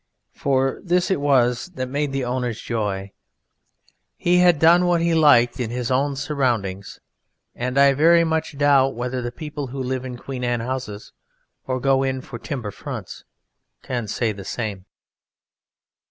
For this it was that made the Owner's joy: he had done what he liked in his own surroundings, and I very much doubt whether the people who live in Queen Anne houses or go in for timber fronts can say the same.